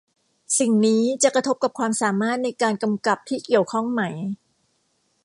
สิ่งนี้จะกระทบกับความสามารถในการกำกับที่เกี่ยวข้องไหม